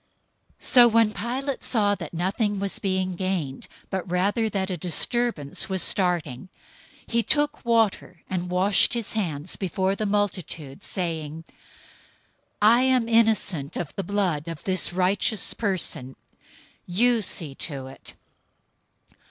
027:024 So when Pilate saw that nothing was being gained, but rather that a disturbance was starting, he took water, and washed his hands before the multitude, saying, "I am innocent of the blood of this righteous person. You see to it."